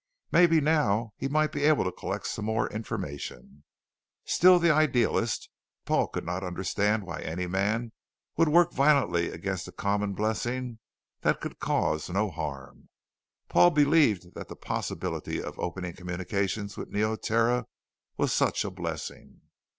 Maybe now he might be able to collect some more information. Still the idealist, Paul could not understand why any man would work violently against a common blessing that could cause no harm. Paul believed that the possibility of opening communications with Neoterra was such a blessing.